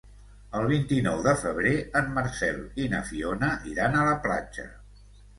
El vint-i-nou de febrer en Marcel i na Fiona iran a la platja.